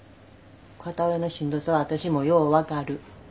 片親のしんどさは私もよう分かる。